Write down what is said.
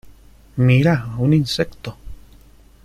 Mira un insecto